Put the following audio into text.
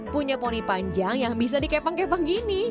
punya poni panjang yang bisa dikepang kepang gini